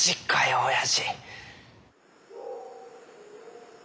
おやじ。